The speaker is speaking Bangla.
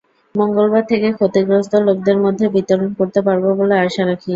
মঙ্গলবার থেকে ক্ষতিগ্রস্ত লোকদের মধ্যে বিতরণ করতে পারব বলে আশা রাখি।